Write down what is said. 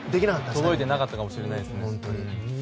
届いてなかったかもしれないですね。